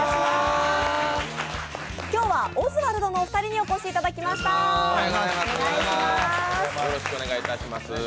今日はオズワルドのお二人にお越しいただきました。